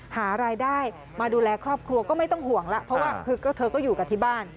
หารายได้มาดูแลครอบครัวก็ไม่ต้องห่วงแล้วเพราะว่าเธอก็อยู่กับที่บ้าน